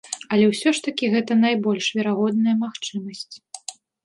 Але ўсё ж такі гэта найбольш верагодная магчымасць.